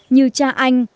như cha anh